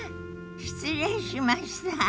失礼しました。